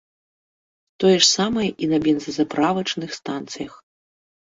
Тое ж самае і на бензазаправачных станцыях.